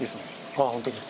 ああ本当です？